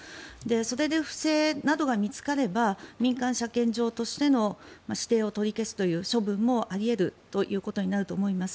それで、不正などが見つかれば民間車検上としての指定を取り消すという処分もあり得るということになると思います。